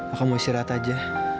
aku mau istirahat aja